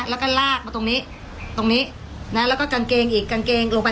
แล้วก็ลากมาตรงนี้ตรงนี้นะแล้วก็กางเกงอีกกางเกงลงไป